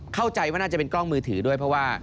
เข้าใจว่าน่าจะเป็นกล้องมือถือด้วยเพราะว่า